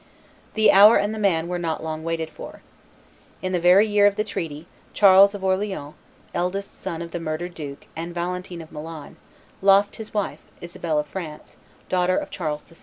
The hour and the man were not long waited for. In the very year of the treaty, Charles of Orleans, eldest son of the murdered duke and Valentine of Milan, lost his wife, Isabel of France, daughter of Charles VI.